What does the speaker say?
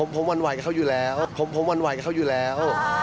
ผมวันวายกับเขาอยู่แล้วผมวันวายกับเขาอยู่แล้ว